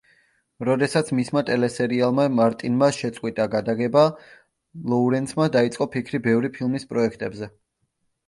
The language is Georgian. როდესაც მისმა ტელესერიალმა მარტინმა შეწყვიტა გადაღება, ლოურენსმა დაიწყო ფიქრი ბევრი ფილმის პროექტებზე.